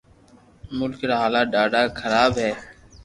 ملڪ را ھالات ڌاڌا خراب ھي